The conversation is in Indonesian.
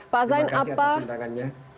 terima kasih atas pendangannya